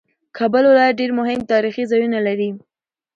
کابل ولایت ډېر مهم تاریخي ځایونه لري